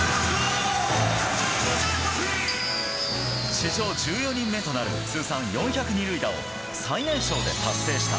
史上１４人目となる通算４００二塁打を最年少で達成した。